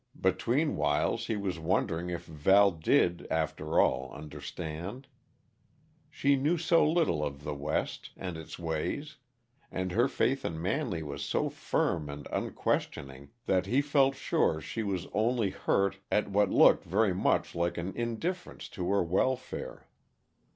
Betweenwhiles he was wondering if Val did, after all, understand. She knew so little of the West and its ways, and her faith in Manley was so firm and unquestioning, that he felt sure she was only hurt at what looked very much like an indifference to her welfare.